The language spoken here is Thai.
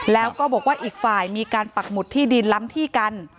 แล้วก็บอกว่าอีกฝ่ายมีการปักหมุดที่ดินล้ำที่กัน